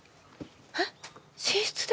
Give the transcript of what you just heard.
えっ寝室で？